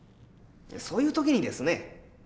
そういう時にですね